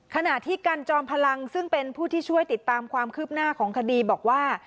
ขณะที่กันจอมพลังซึ่งเป็นผู้ที่ช่วยติดตามความคืบหน้าของคดีบอกว่า